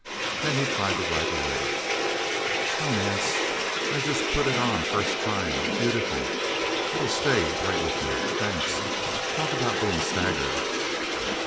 Then he tried to write a letter: "Hi, Nance! I've just put it on first time beautiful! It'll stay right with me. Thanks. Talk about being staggered..."